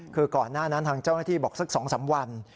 คือก่อนหน้านั้นทางเจ้าหน้าที่บอกสัก๒๓วัน